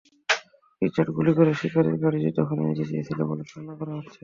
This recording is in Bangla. রিচার্ড গুলি করে শিকারির গাড়িটি দখলে নিতে চেয়েছিল বলে ধারণা করা হচ্ছে।